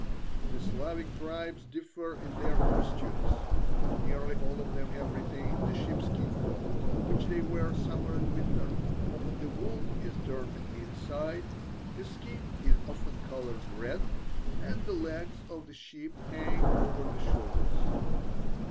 The Slavic tribes differ in their costumes, but nearly all of them have retained the sheepskin coat, which they wear summer and winter. The wool is turned inside. The skin is often coloured red, and the legs of the sheep hang over the shoulders.